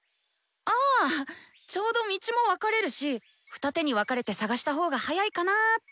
あちょうど道も分かれるし二手に分かれて探した方が早いかなって。